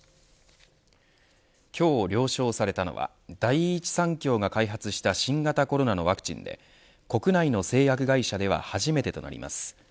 今日、了承されたのは第一三共が開発した新型コロナのワクチンで国内の製薬会社では初めてとなります。